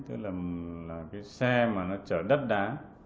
tức là cái xe mà nó chở đất đá